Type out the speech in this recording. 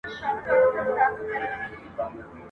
ښکاري هم کرار کرار ورغی پلی ..